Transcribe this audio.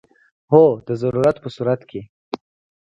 هو، د ضرورت په صورت کې